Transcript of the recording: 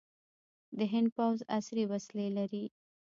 د هند پوځ عصري وسلې لري.